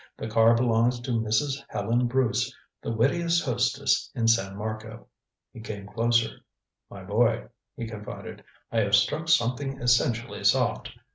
"The car belongs to Mrs. Helen Bruce, the wittiest hostess in San Marco." He came closer. "My boy," he confided, "I have struck something essentially soft.